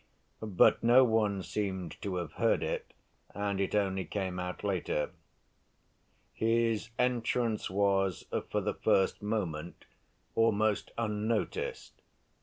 But no one seemed to have heard it and it only came out later. His entrance was for the first moment almost unnoticed.